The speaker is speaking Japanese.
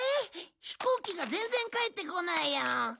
飛行機が全然帰ってこない。